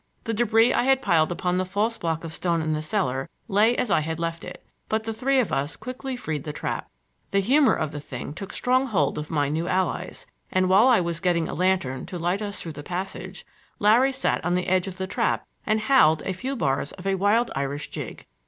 The debris I had piled upon the false block of stone in the cellar lay as I had left it, but the three of us quickly freed the trap. The humor of the thing took strong hold of my new allies, and while I was getting a lantern to light us through the passage Larry sat on the edge of the trap and howled a few bars of a wild Irish jig.